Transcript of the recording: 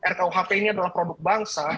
rkuhp ini adalah produk bangsa